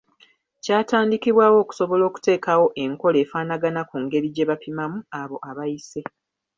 Kyatandikibwawo okusobola okuteekawo enkola efaanagana ku ngeri gye bapimamu abo abayise.